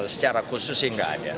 secara khusus sih nggak ada